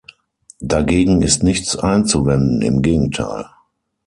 Dagegen ist nichts einzuwenden, im Gegenteil.